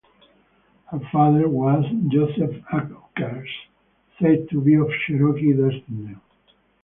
Her father was Joseph Ackers, said to be of Cherokee descent.